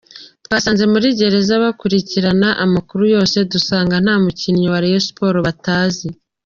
Twasanze muri gereza bakurikirana amakuru yose, dusanga nta mukinnyi wa Rayon Sports batazi.